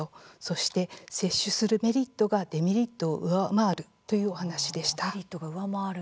そして、接種するメリットがデメリットを上回るというお話でした。